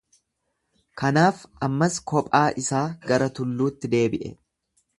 Kanaaf ammas kophaa isaa gara tulluutti deebi’e.